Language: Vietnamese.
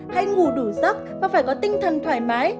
hãy ngủ đủ giấc và phải có tinh thần thoải mái